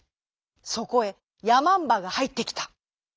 そこへやまんばがはいってきた。